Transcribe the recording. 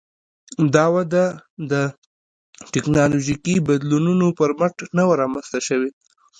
دا وده د ټکنالوژیکي بدلونونو پر مټ نه وه رامنځته شوې